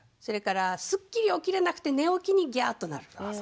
それからすっきり起きれなくて寝起きにギャーッと泣く。